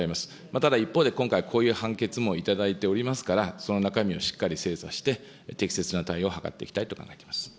ただ一方で、今回こういう判決をいただいておりますから、その中身をしっかり精査して、適切な対応を図っていきたいと考えています。